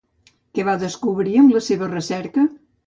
Què va descobrir amb la seva recerca?